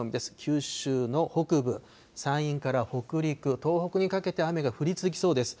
九州の北部、山陰から北陸、東北にかけて雨が降り続きそうです。